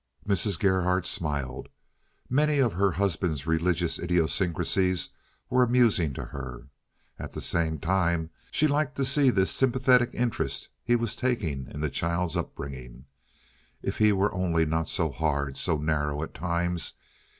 Mrs. Gerhardt smiled. Many of her husband's religious idiosyncrasies were amusing to her. At the same time she liked to see this sympathetic interest he was taking in the child's upbringing. If he were only not so hard, so narrow at times.